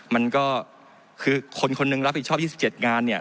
มันก็คือคนคนหนึ่งรับผิดชอบ๒๗งานเนี่ย